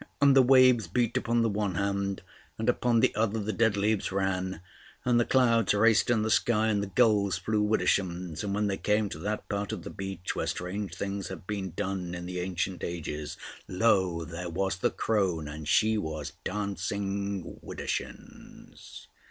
And the waves beat upon the one hand, and upon the other the dead leaves ran; and the clouds raced in the sky, and the gulls flew widdershins. And when they came to that part of the beach where strange things had been done in the ancient ages, lo, there was the crone, and she was dancing widdershins.